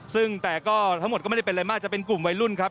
ซึ่งแต่ก็ทั้งหมดก็ไม่ได้เป็นอะไรมากจะเป็นกลุ่มวัยรุ่นครับ